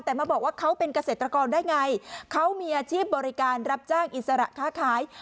แต่มาบอกว่าเขาเป็นเกษตรกรได้ไงเขามีอาชีพบริการรับจ้างอิสระค้าขาย